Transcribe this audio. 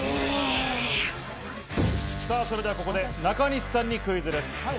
それでは、ここで中西さんにクイズです。